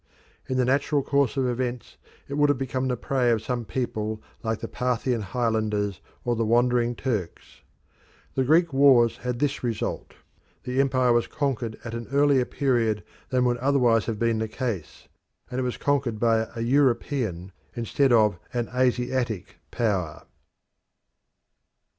In the natural course of events it would have become the prey of some people like the Parthian highlanders or the wandering Turks. The Greek wars had this result; the empire was conquered at an earlier period than would otherwise have been the case, and it was conquered by a European instead of an Asiatic power.